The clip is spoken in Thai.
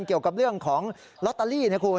เกี่ยวกับเรื่องของลอตเตอรี่นะคุณ